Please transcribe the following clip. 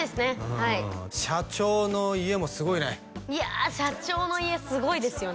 はい社長の家もすごいねいや社長の家すごいですよね